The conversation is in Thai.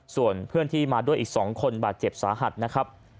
ส่วนเพื่อนที่มาด้วยอีก๒คนบาดเจ็บสาหัสนะครับ